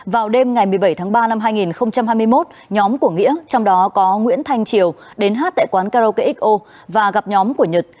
vào đêm ngày một mươi bảy tháng ba năm hai nghìn hai mươi một nhóm của nghĩa trong đó có nguyễn thanh triều đến hát tại quán karaoke xo và gặp nhóm của nhật